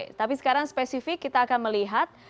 oke tapi sekarang spesifik kita akan melihat